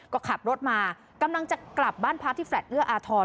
ก็ขับรถมากำลังจะกลับบ้านพักที่แลตเอื้ออาทร